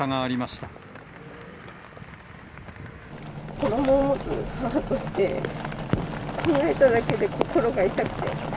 子どもを持つ母として、考えただけで心が痛くて。